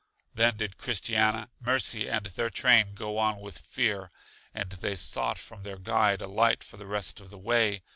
Then did Christiana, Mercy and their train go on with fear, and they sought from their guide a light for the rest of the way.